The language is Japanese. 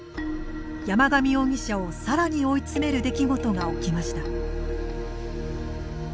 山上容疑者をさらに追い詰める出来事が起きました。